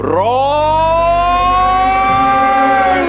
ร้อน